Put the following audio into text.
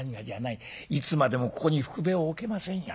いつまでもここにふくべを置けませんよ